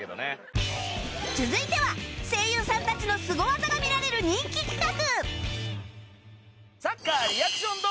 続いては声優さんたちのすご技が見られる人気企画